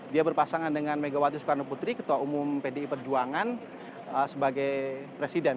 dia berpasangan dengan megawati soekarno putri ketua umum pdi perjuangan sebagai presiden